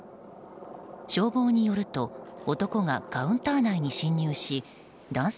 消防によると男がカウンター内に侵入し男性